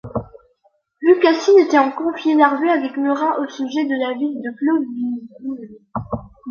Vukasin était en conflit larvé avec Murat au sujet de la ville de Plovdiv.